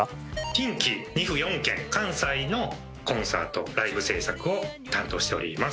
近畿２府４県関西のコンサートライブ制作を担当しております。